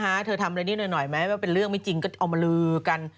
เธอทำอะไรนิดหน่อยหน่อยไหมว่าเป็นเรื่องไม่จริงก็เอามาลือกัน